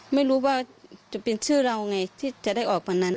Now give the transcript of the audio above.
ไม่รู้ว่าจะเป็นชื่อเราไงที่จะได้ออกวันนั้น